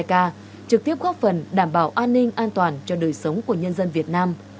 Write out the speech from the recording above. trực tiếp góp phần đảm bảo an ninh an toàn cho đời sống của nhân dân việt nam